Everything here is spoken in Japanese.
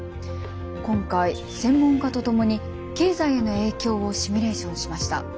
今回専門家と共に経済への影響をシミュレーションしました。